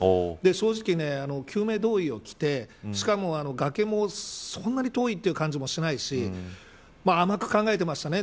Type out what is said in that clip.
正直、救命胴衣を着てしかも、がけもそんなに遠いという感じもしないし甘く考えてましたね。